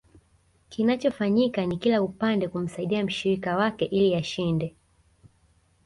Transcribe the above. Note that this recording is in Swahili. Kinachofanyika ni kila upande kumsaidia mshirika wake ili ashinde